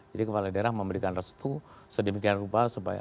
jadi kepala daerah memberikan restu sedemikian rupa